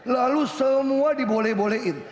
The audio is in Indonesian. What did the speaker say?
lalu semua diboleh bolehin